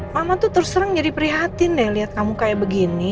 mama tuh terserang jadi prihatin deh liat kamu kayak begini